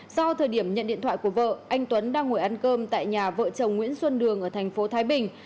do thời điểm nhận điện thoại của vợ anh tuấn đang ngồi ăn cơm tại nhà vợ chồng nguyễn xuân đường ở thành phố thái bình